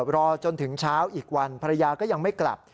รอจนถึงเช้าอีกวันภรรยาก็ยังไม่กลับ